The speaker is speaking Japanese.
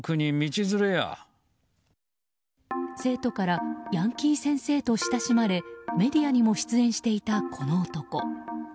生徒からヤンキー先生と親しまれメディアにも出演していたこの男。